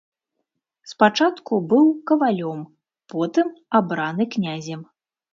Спачатку быў кавалём, потым абраны князем.